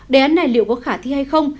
đề án này liệu có khả thi hay không